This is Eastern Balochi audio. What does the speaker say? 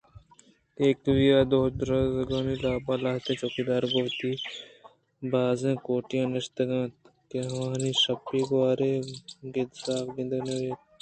ایوکءَدروازگانی دپ ءَلہتیں چوکیدار گوں وتی بزیں کوٹاں نشتگ اِت اَنت کہ آوانی شپی گوٛر ءِ گدصاف گندگ بوت اَنت